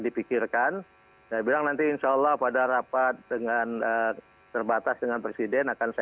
dipikirkan saya bilang nanti insyaallah pada rapat dengan terbatas dengan presiden akan saya angkat